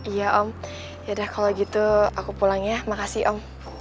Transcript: iya om ya udah kalo gitu aku pulang ya makasih om